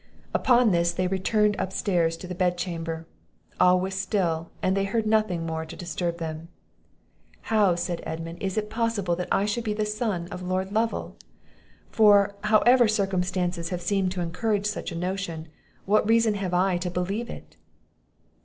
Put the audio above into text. Upon this, they returned up stairs into the bed chamber; all was still, and they heard nothing more to disturb them. "How," said Edmund, "is it possible that I should be the son of Lord Lovel? for, however circumstances have seemed to encourage such a notion, what reason have I to believe it?"